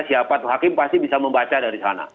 siapa tuh hakim pasti bisa membaca dari sana